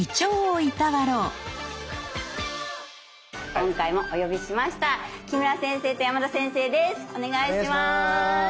今回もお呼びしました木村先生と山田先生です。